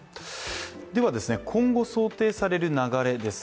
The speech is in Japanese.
では、今後、想定される流れです。